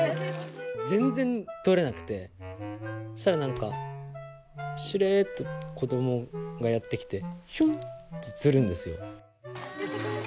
全然取れなくてそしたら何かしれっと子供がやって来てヒュンって釣るんですよ。